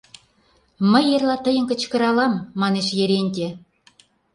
— Мый эрла тыйым кычкыралам, — манеш Еренте.